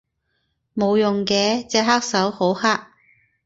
冇用嘅，隻黑手好黑